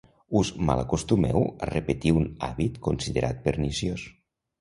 Us malacostumeu a repetir un hàbit considerat perniciós.